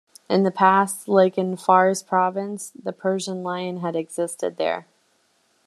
In the past, like in Fars Province, the Persian lion had existed here.